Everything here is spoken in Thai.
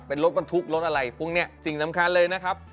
เป็นรถบรรทุกรถอะไรพวกนี้สิ่งสำคัญเลยนะครับ